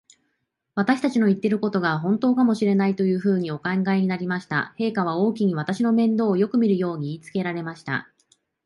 私たちの言ってることが、ほんとかもしれない、というふうにお考えになりました。陛下は王妃に、私の面倒をよくみるように言いつけられました。